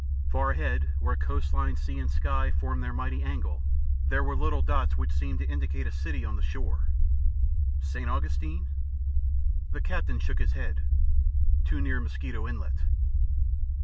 Far ahead, where coast line, sea, and sky formed their mighty angle, there were little dots which seemed to indicate a city on the shore. "St. Augustine?" The captain shook his head. "Too near Mosquito Inlet."